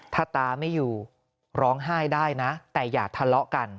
ถ้าตาไม่อยู่ร้องไห้ได้นะแต่อย่าทะเลาะกัน